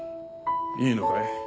いいのかい？